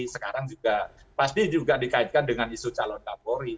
sekarang juga pasti juga dikaitkan dengan isu calon kapolri